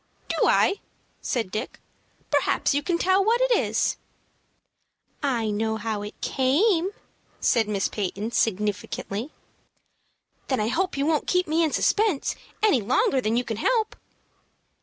"Do I?" said Dick. "Perhaps you can tell what it is." "I know how it came," said Miss Peyton, significantly. "Then I hope you won't keep me in suspense any longer than you can help."